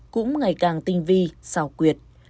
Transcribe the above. cũng ngày càng tinh vi xảo quyệt